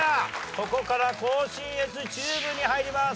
ここから甲信越中部に入ります。